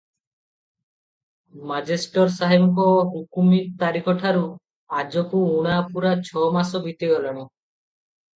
ମେଜେଷ୍ଟର ସାହେବଙ୍କ ହୁକୁମୀ ତାରିଖଠାରୁ ଆଜକୁ ଊଣା ପୂରା ଛ ମାସ ବିତିଗଲାଣି ।